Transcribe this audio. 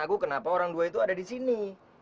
lagu kenapa orang dua itu ada di sini